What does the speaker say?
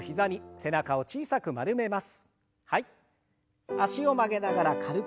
背中を小さく丸く。